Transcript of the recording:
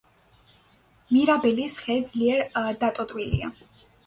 მირაბელის ხე ძლიერ დატოტვილია.